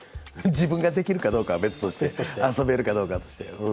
自分ができるかどうかは別として、遊べるかどうかは別として。